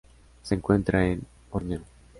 Se encuentra en Borneo.